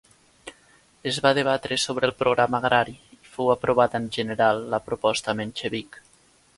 Es va debatre sobre el programa agrari, i fou aprovada en general la proposta menxevic.